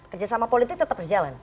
kerja sama politik tetap berjalan